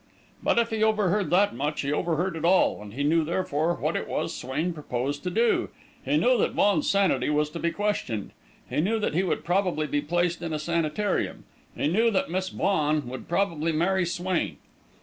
But if he overheard that much, he overheard it all, and he knew therefore what it was Swain proposed to do. He knew that Vaughan's sanity was to be questioned; he knew that he would probably be placed in a sanitarium; he knew that Miss Vaughan would probably marry Swain.